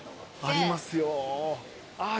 ありますよ。